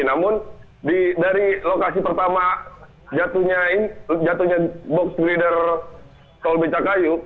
namun dari lokasi pertama jatuhnya box brider tol becakayu